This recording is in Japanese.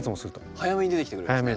早めに出てきてくれるんですね。